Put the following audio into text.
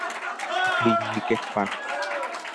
দুই উইকেট পান।